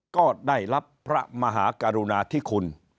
ก็ได้รับพระมหากรุณาธิคุณ